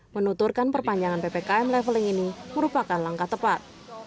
menuturkan perpanjangan ppkm leveling ini merupakan langkah tepat